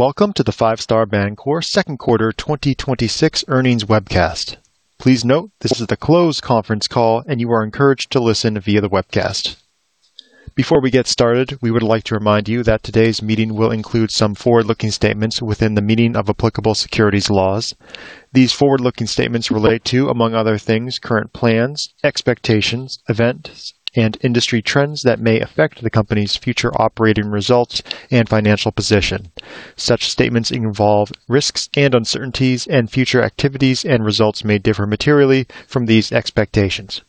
Welcome to the Five Star Bancorp Q2 2026 earnings webcast. Please note this is a closed conference call and you are encouraged to listen via the webcast. Before we get started, we would like to remind you that today's meeting will include some forward-looking statements within the meaning of applicable securities laws. These forward-looking statements relate to, among other things, current plans, expectations, events, and industry trends that may affect the company's future operating results and financial position. Such statements involve risks and uncertainties, and future activities and results may differ materially from these expectations.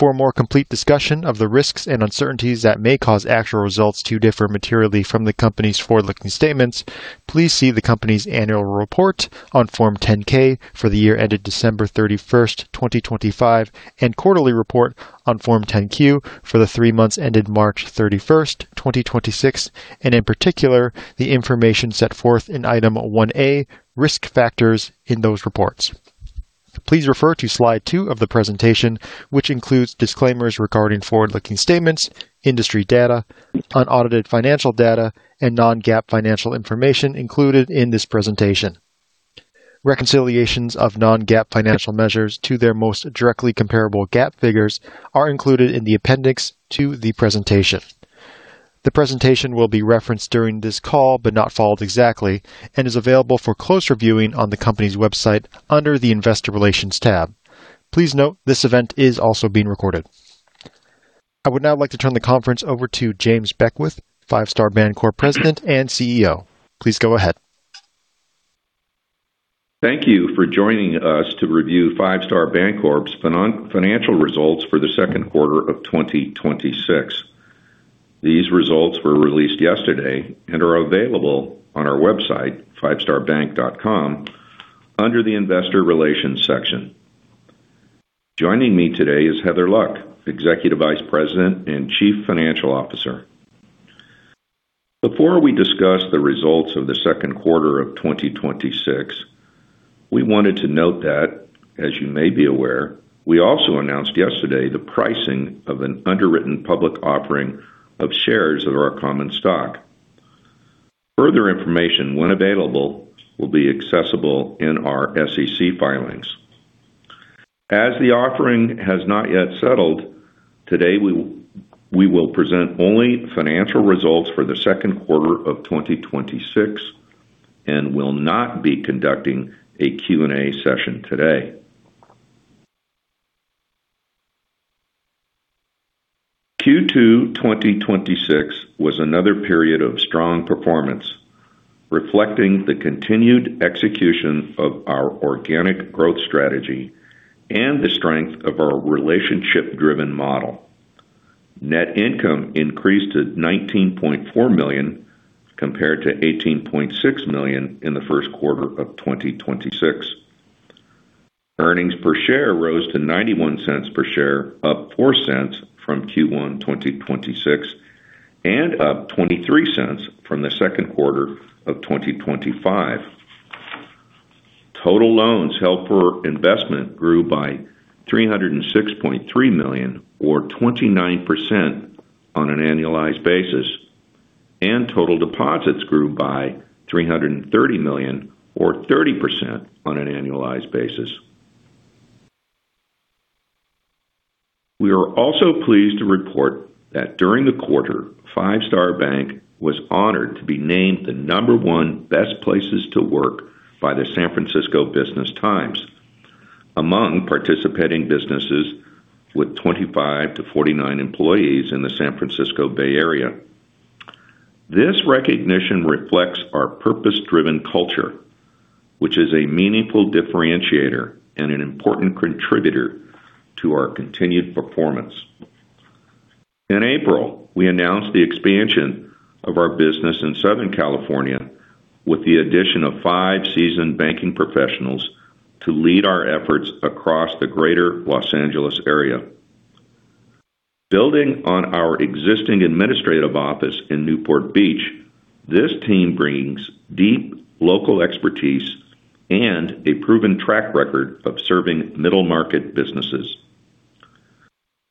For a more complete discussion of the risks and uncertainties that may cause actual results to differ materially from the company's forward-looking statements, please see the company's annual report on Form 10-K for the year ended December 31st, 2025, and quarterly report on Form 10-Q for the three months ended March 31st, 2026, and in particular, the information set forth in Item 1A, Risk Factors in those reports. Please refer to Slide two of the presentation, which includes disclaimers regarding forward-looking statements, industry data, unaudited financial data, and non-GAAP financial information included in this presentation. Reconciliations of non-GAAP financial measures to their most directly comparable GAAP figures are included in the appendix to the presentation. The presentation will be referenced during this call, but not followed exactly, and is available for closer viewing on the company's website under the Investor Relations tab. Please note, this event is also being recorded. I would now like to turn the conference over to James Beckwith, Five Star Bancorp president and CEO. Please go ahead. Thank you for joining us to review Five Star Bancorp's financial results for the Q2 of 2026. These results were released yesterday and are available on our website, fivestarbank.com, under the Investor Relations section. Joining me today is Heather Luck, Executive Vice President and Chief Financial Officer. Before we discuss the results of the Q2 of 2026, we wanted to note that, as you may be aware, we also announced yesterday the pricing of an underwritten public offering of shares of our common stock. Further information, when available, will be accessible in our SEC filings. As the offering has not yet settled, today we will present only financial results for the Q2 of 2026 and will not be conducting a Q&A session today. Q2 2026 was another period of strong performance, reflecting the continued execution of our organic growth strategy and the strength of our relationship-driven model. Net income increased to $19.4 million, compared to $18.6 million in the Q1 of 2026. Earnings per share rose to $0.91 per share, up $0.04 from Q1 2026 and up $0.23 from the Q2 of 2025. Total loans held for investment grew by $306.3 million or 29% on an annualized basis. Total deposits grew by $330 million or 30% on an annualized basis. We are also pleased to report that during the quarter, Five Star Bank was honored to be named the number one best places to work by the San Francisco Business Times, among participating businesses with 25-49 employees in the San Francisco Bay Area. This recognition reflects our purpose-driven culture, which is a meaningful differentiator and an important contributor to our continued performance. In April, we announced the expansion of our business in Southern California with the addition of five seasoned banking professionals to lead our efforts across the Greater Los Angeles area. Building on our existing administrative office in Newport Beach, this team brings deep local expertise and a proven track record of serving middle-market businesses.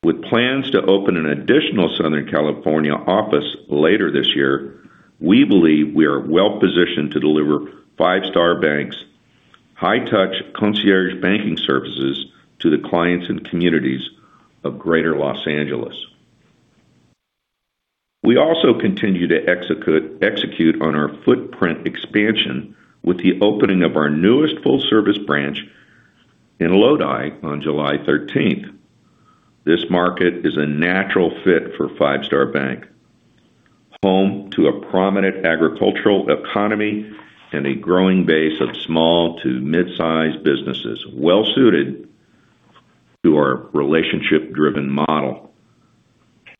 With plans to open an additional Southern California office later this year, we believe we are well positioned to deliver Five Star Bank's high-touch concierge banking services to the clients and communities of Greater Los Angeles. We also continue to execute on our footprint expansion with the opening of our newest full-service branch in Lodi on July 13th. This market is a natural fit for Five Star Bank, home to a prominent agricultural economy and a growing base of small to mid-size businesses well-suited to our relationship-driven model.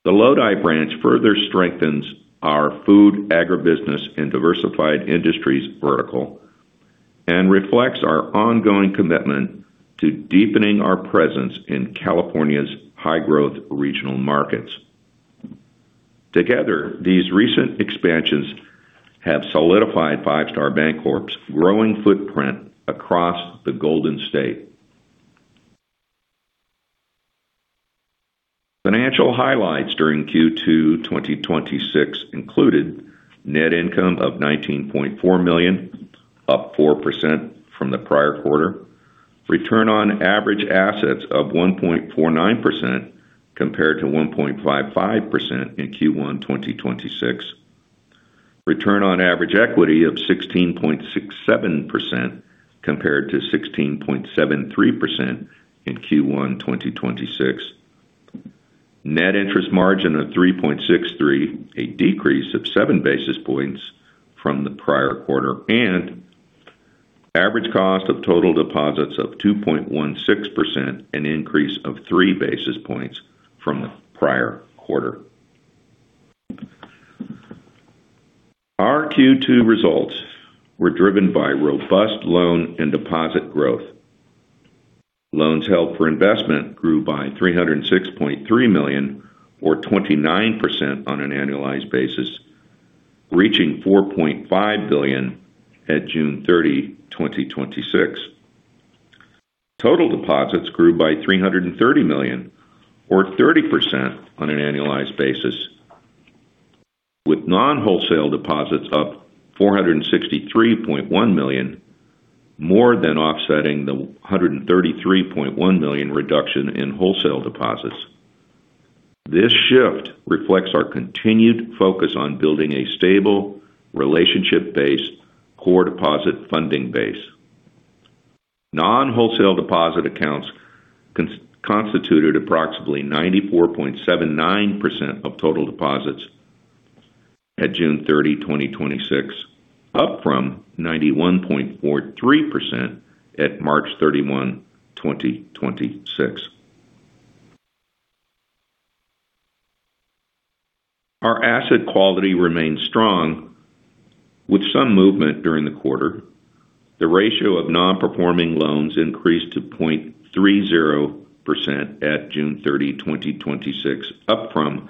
The Lodi branch further strengthens our Food, Agribusiness & Diversified Industries vertical and reflects our ongoing commitment to deepening our presence in California's high-growth regional markets. Together, these recent expansions have solidified Five Star Bancorp's growing footprint across the Golden State. Financial highlights during Q2 2026 included net income of $19.4 million, up 4% from the prior quarter. Return on average assets of 1.49%, compared to 1.55% in Q1 2026. Return on average equity of 16.67%, compared to 16.73% in Q1 2026. Net interest margin of 3.63, a decrease of seven basis points from the prior quarter. Average cost of total deposits of 2.16%, an increase of three basis points from the prior quarter. Our Q2 results were driven by robust loan and deposit growth. Loans held for investment grew by $306.3 million or 29% on an annualized basis, reaching $4.5 billion at June 30, 2026. Total deposits grew by $330 million or 30% on an annualized basis, with non-wholesale deposits up $463.1 million, more than offsetting the $133.1 million reduction in wholesale deposits. This shift reflects our continued focus on building a stable, relationship-based core deposit funding base. Non-wholesale deposit accounts constituted approximately 94.79% of total deposits at June 30, 2026, up from 91.43% at March 31, 2026. Our asset quality remains strong with some movement during the quarter. The ratio of non-performing loans increased to 0.30% at June 30, 2026, up from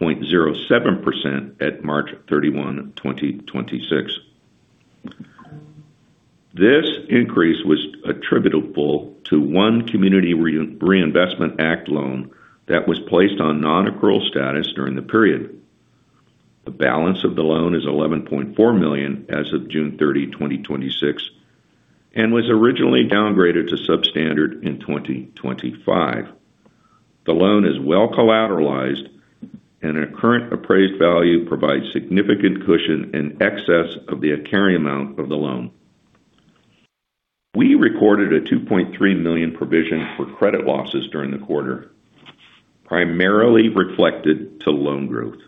0.07% at March 31, 2026. This increase was attributable to one Community Reinvestment Act loan that was placed on non-accrual status during the period. The balance of the loan is $11.4 million as of June 30, 2026, and was originally downgraded to substandard in 2025. The loan is well collateralized and a current appraised value provides significant cushion in excess of the carry amount of the loan. We recorded a $2.3 million provision for credit losses during the quarter, primarily reflected to loan growth.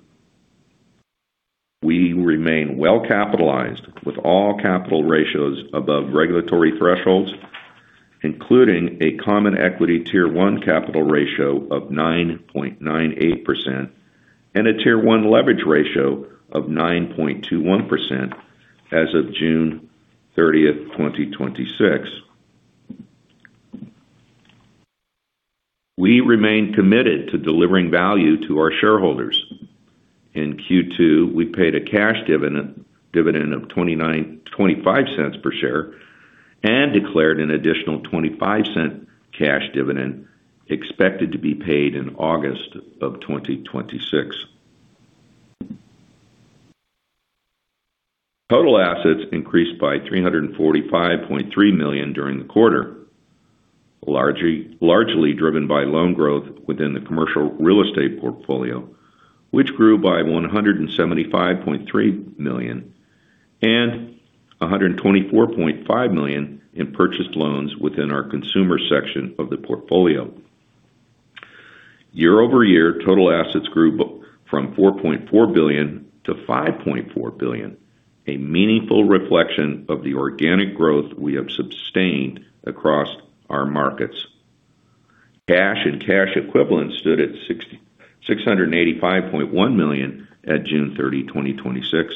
We remain well-capitalized with all capital ratios above regulatory thresholds, including a common equity Tier 1 capital ratio of 9.98% and a Tier 1 leverage ratio of 9.21% as of June 30th, 2026. We remain committed to delivering value to our shareholders. In Q2, we paid a cash dividend of $0.25 per share and declared an additional $0.25 cash dividend expected to be paid in August of 2026. Total assets increased by $345.3 million during the quarter. Largely driven by loan growth within the commercial real estate portfolio, which grew by $175.3 million and $124.5 million in purchased loans within our consumer section of the portfolio. Year-over-year, total assets grew from $4.4 billion-$5.4 billion, a meaningful reflection of the organic growth we have sustained across our markets. Cash and cash equivalents stood at $685.1 million at June 30, 2026,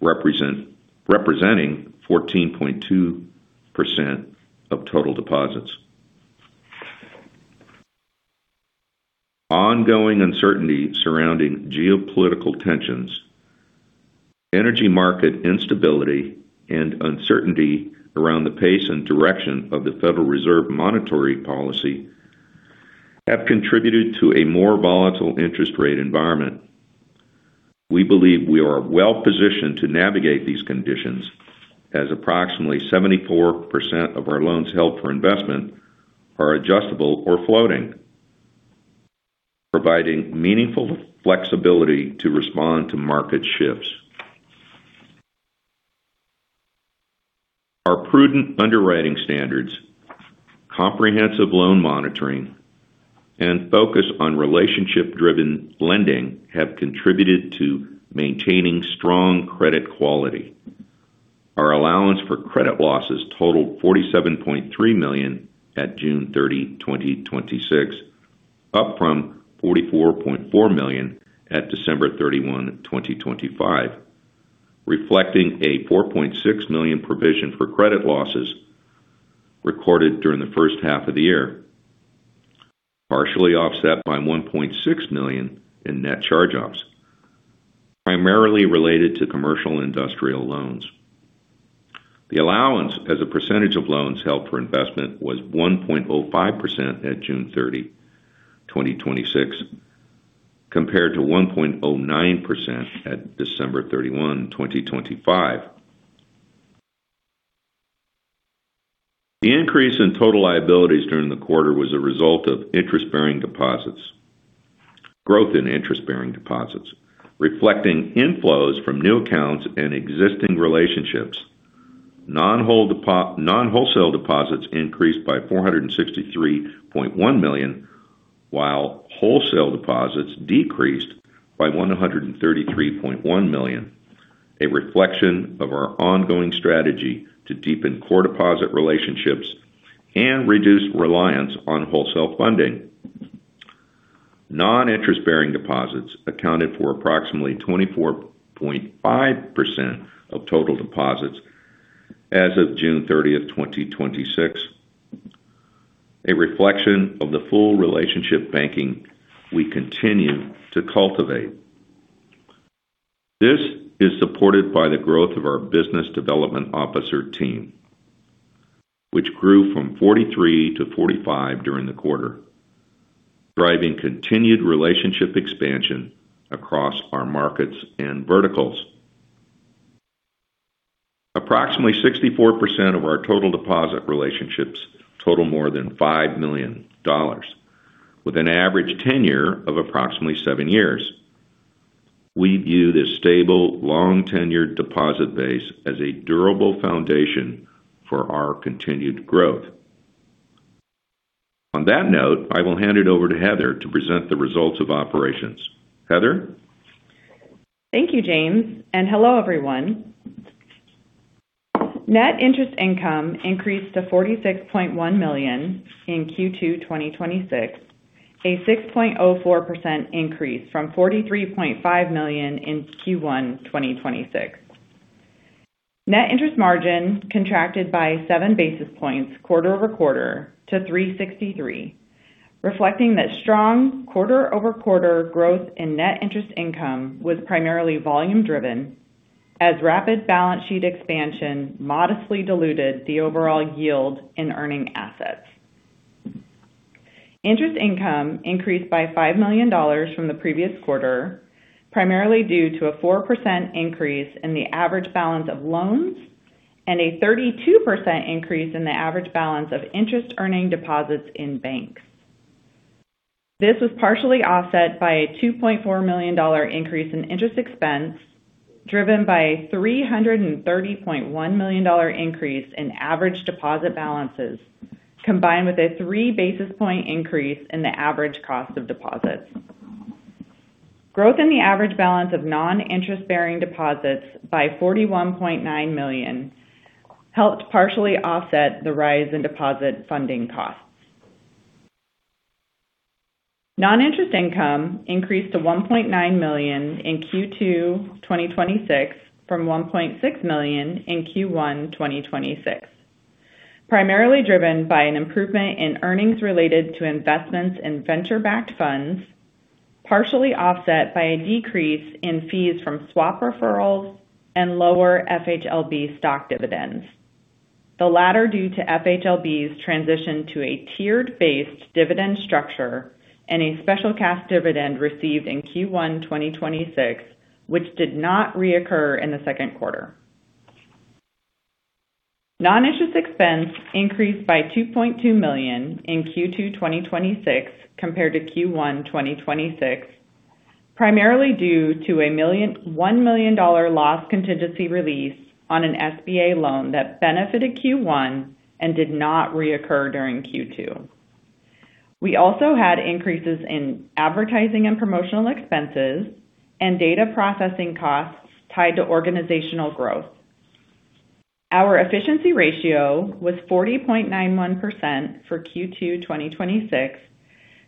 representing 14.2% of total deposits. Ongoing uncertainty surrounding geopolitical tensions, energy market instability, and uncertainty around the pace and direction of the Federal Reserve monetary policy have contributed to a more volatile interest rate environment. We believe we are well-positioned to navigate these conditions as approximately 74% of our loans held for investment are adjustable or floating, providing meaningful flexibility to respond to market shifts. Our prudent underwriting standards, comprehensive loan monitoring, and focus on relationship-driven lending have contributed to maintaining strong credit quality. Our allowance for credit losses totaled $47.3 million at June 30, 2026, up from $44.4 million at December 31, 2025, reflecting a $4.6 million provision for credit losses recorded during the first half of the year, partially offset by $1.6 million in net charge-offs, primarily related to commercial industrial loans. The allowance as a percentage of loans held for investment was 1.05% at June 30, 2026, compared to 1.09% at December 31, 2025. The increase in total liabilities during the quarter was a result of interest-bearing deposits. Growth in interest-bearing deposits, reflecting inflows from new accounts and existing relationships. Non-wholesale deposits increased by $463.1 million, while wholesale deposits decreased by $133.1 million, a reflection of our ongoing strategy to deepen core deposit relationships and reduce reliance on wholesale funding. Non-interest-bearing deposits accounted for approximately 24.5% of total deposits as of June 30, 2026. A reflection of the full relationship banking we continue to cultivate. This is supported by the growth of our business development officer team, which grew from 43-45 during the quarter, driving continued relationship expansion across our markets and verticals. Approximately 64% of our total deposit relationships total more than $5 million, with an average tenure of approximately seven years. We view this stable, long-tenured deposit base as a durable foundation for our continued growth. On that note, I will hand it over to Heather to present the results of operations. Heather? Thank you, James, and hello everyone. Net interest income increased to $46.1 million in Q2 2026, a 6.04% increase from $43.5 million in Q1 2026. Net interest margin contracted by seven basis points quarter-over-quarter to 363, reflecting that strong quarter-over-quarter growth in net interest income was primarily volume driven, as rapid balance sheet expansion modestly diluted the overall yield in earning assets. Interest income increased by $5 million from the previous quarter, primarily due to a 4% increase in the average balance of loans and a 32% increase in the average balance of interest earning deposits in banks. This was partially offset by a $2.4 million increase in interest expense, driven by a $330.1 million increase in average deposit balances, combined with a three basis point increase in the average cost of deposits. Growth in the average balance of non-interest-bearing deposits by $41.9 million helped partially offset the rise in deposit funding costs. Non-interest income increased to $1.9 million in Q2 2026 from $1.6 million in Q1 2026, primarily driven by an improvement in earnings related to investments in venture-backed funds, partially offset by a decrease in fees from swap referrals and lower FHLB stock dividends. The latter due to FHLB's transition to a tier-based dividend structure and a special cash dividend received in Q1 2026, which did not reoccur in the Q2. Non-interest expense increased by $2.2 million in Q2 2026 compared to Q1 2026, primarily due to a $1 million loss contingency release on an SBA loan that benefited Q1 and did not reoccur during Q2. We also had increases in advertising and promotional expenses and data processing costs tied to organizational growth. Our efficiency ratio was 40.91% for Q2 2026,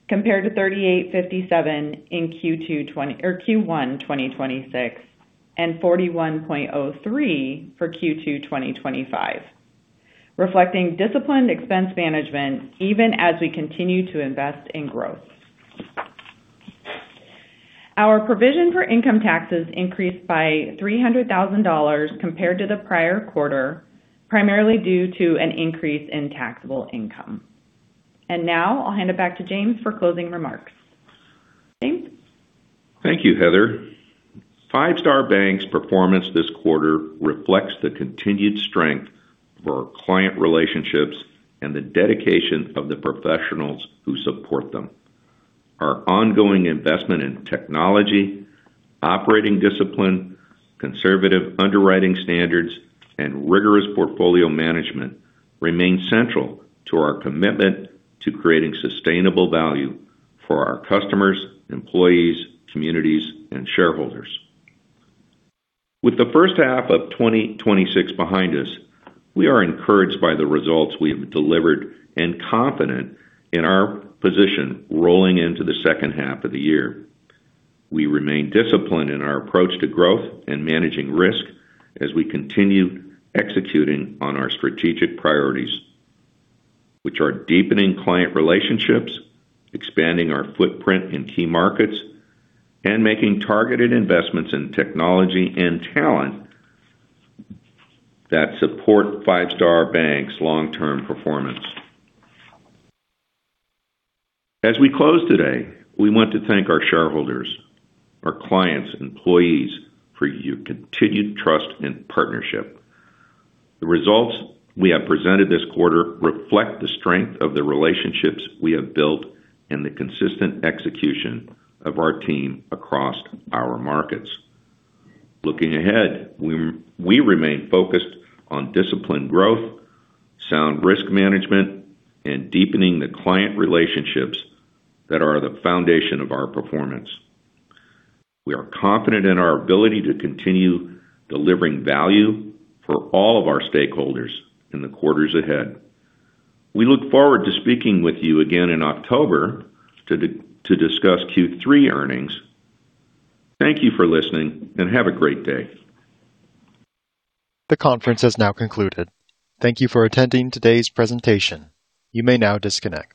compared to 38.57% in Q1 2026 and 41.03% for Q2 2025, reflecting disciplined expense management even as we continue to invest in growth. Our provision for income taxes increased by $300,000 compared to the prior quarter, primarily due to an increase in taxable income. Now I'll hand it back to James for closing remarks. James? Thank you, Heather. Five Star Bank's performance this quarter reflects the continued strength of our client relationships and the dedication of the professionals who support them. Our ongoing investment in technology, operating discipline, conservative underwriting standards, and rigorous portfolio management remain central to our commitment to creating sustainable value for our customers, employees, communities, and shareholders. With the first half of 2026 behind us, we are encouraged by the results we have delivered and confident in our position rolling into the second half of the year. We remain disciplined in our approach to growth and managing risk as we continue executing on our strategic priorities, which are deepening client relationships, expanding our footprint in key markets, and making targeted investments in technology and talent that support Five Star Bank's long-term performance. As we close today, we want to thank our shareholders, our clients, and employees for your continued trust and partnership. The results we have presented this quarter reflect the strength of the relationships we have built and the consistent execution of our team across our markets. Looking ahead, we remain focused on disciplined growth, sound risk management, and deepening the client relationships that are the foundation of our performance. We are confident in our ability to continue delivering value for all of our stakeholders in the quarters ahead. We look forward to speaking with you again in October to discuss Q3 earnings. Thank you for listening, and have a great day. The conference has now concluded. Thank you for attending today's presentation. You may now disconnect.